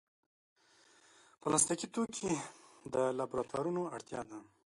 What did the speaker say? پلاستيکي توکي د لابراتوارونو اړتیا ده.